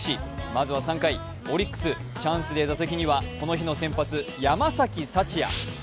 まずは３回、オリックスチャンスで座席にはこの日の先発・山崎福也。